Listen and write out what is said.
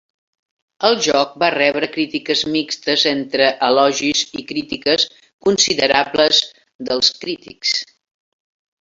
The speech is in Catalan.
El joc va rebre crítiques mixtes entre elogis i crítiques considerables dels crítics.